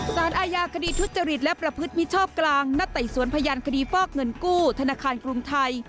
สารอาญาคดีทุจริตและประพฤติมิชชอบกลางนัดไต่สวนพยานคดีฟอกเงินกู้ธนาคารกรุงไทย